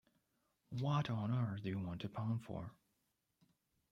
What on earth do you want a pound for?